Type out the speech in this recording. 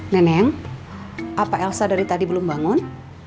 neneng apa elsa dari tadi belum bangun